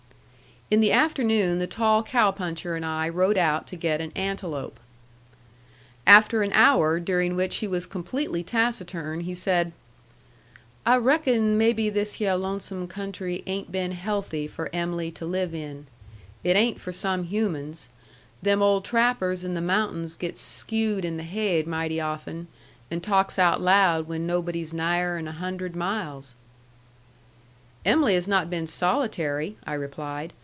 In the afternoon the tall cow puncher and I rode out to get an antelope. After an hour, during which he was completely taciturn, he said: "I reckon maybe this hyeh lonesome country ain't been healthy for Em'ly to live in. It ain't for some humans. Them old trappers in the mountains gets skewed in the haid mighty often, an' talks out loud when nobody's nigher 'n a hundred miles." "Em'ly has not been solitary," I replied.